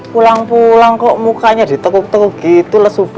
pulang pulang kok mukanya ditukuk tukuk gitu lesu banget